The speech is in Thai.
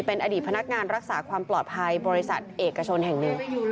เป็นอดีตพนักงานรักษาความปลอดภัยบริษัทเอกชนแห่งหนึ่ง